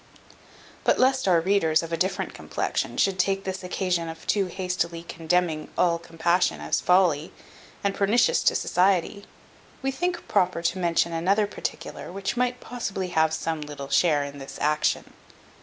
But lest our readers, of a different complexion, should take this occasion of too hastily condemning all compassion as a folly, and pernicious to society, we think proper to mention another particular which might possibly have some little share in this action.